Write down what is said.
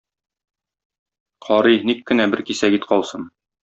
Карый, ник кенә бер кисәк ит калсын!